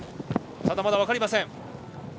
ただ、まだ分かりません。